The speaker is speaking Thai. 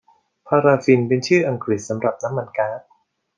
พาราฟินเป็นชื่ออังกฤษสำหรับน้ำมันก๊าด